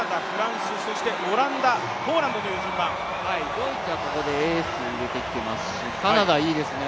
ドイツはここでエースが出てきますし、カナダ、いいですね。